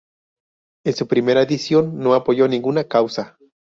En su primera edición, no apoyó ninguna causa.